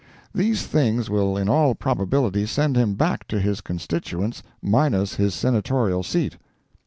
These things will in all probability send him back to his constituents minus his Senatorial seat.